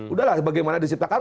udah lah bagaimana disiptakan